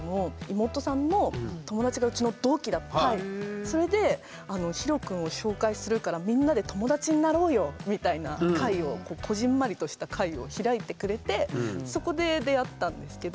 たまたまそのそれでひろ君を紹介するから「みんなで友達になろうよ」みたいな会をこぢんまりとした会を開いてくれてそこで出会ったんですけど。